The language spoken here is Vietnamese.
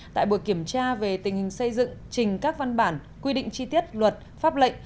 tại buổi kiểm tra về tình hình xây dựng trình các văn bản quy định chi tiết luật pháp lệnh